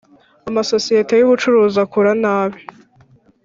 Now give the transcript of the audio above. amasosiyete y’ ubucuruzi akora nabi.